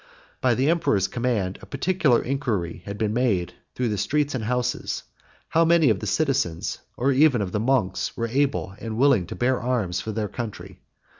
By the emperor's command, a particular inquiry had been made through the streets and houses, how many of the citizens, or even of the monks, were able and willing to bear arms for their country.